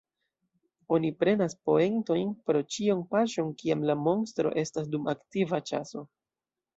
Oni prenas poentojn pro ĉion paŝon kiam la monstro estas dum aktiva ĉaso.